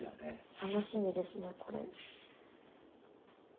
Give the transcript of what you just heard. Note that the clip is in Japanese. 楽しみですねこれ。